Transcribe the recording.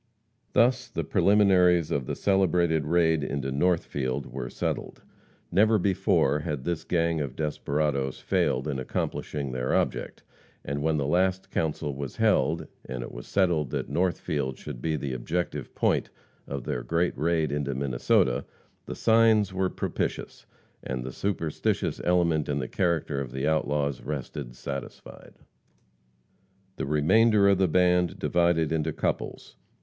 Thus the preliminaries of the celebrated raid into Northfield were settled. Never before had this gang of desperadoes failed in accomplishing their object, and when the last council was held, and it was settled that Northfield should be the objective point of their great raid into Minnesota, "the signs" were propitious, and the superstitious element in the character of the outlaws rested satisfied. The remainder of the band divided into couples.